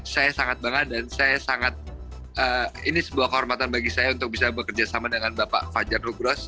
saya sangat bangga dan saya sangat ini sebuah kehormatan bagi saya untuk bisa bekerja sama dengan bapak fajar rugros